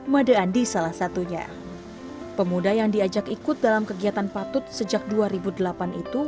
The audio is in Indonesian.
made andi salah satunya pemuda yang diajak ikut dalam kegiatan patut sejak dua ribu delapan itu